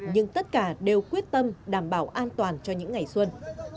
nhưng tất cả đều quyết tâm đảm bảo an toàn cho những ngày xuân